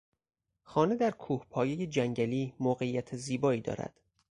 خانه در کوهپایهی جنگلی موقعیت زیبایی دارد.